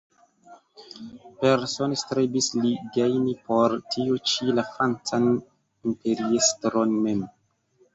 Persone strebis li gajni por tio ĉi la francan imperiestron mem.